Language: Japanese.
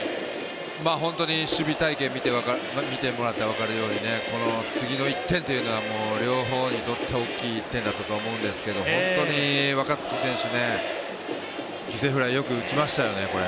本当に守備隊形見てもらったら分かるようにこの次の１点というのは両方にとっては大きい１点だと思いますけど本当に若月選手、犠牲フライよく打ちましたよね。